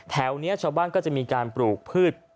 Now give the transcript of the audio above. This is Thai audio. แถวนี้ชาวบ้านก็จะมีการปลูกพืช